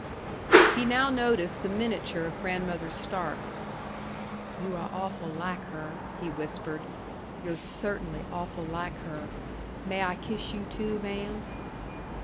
He now noticed the miniature of Grandmother Stark. "You are awful like her," he whispered. "You're cert'nly awful like her. May I kiss you too, ma'am?"